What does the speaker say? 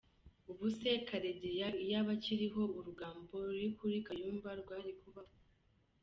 Ubuse Karegeya iyo aba akiriho urugambo ruri kuri kayumba rwari kubaho?